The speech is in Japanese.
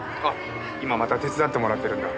今また手伝ってもらってるんだ。